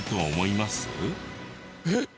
えっ？